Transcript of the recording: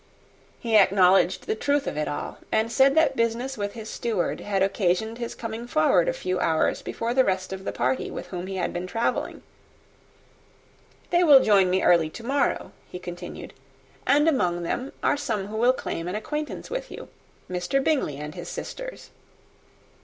He acknowledged the truth of it all; and said that business with his steward had occasioned his coming forward a few hours before the rest of the party with whom he had been travelling. "They will join me early to morrow," he continued, "and among them are some who will claim an acquaintance with you, Mr. Bingley and his sisters."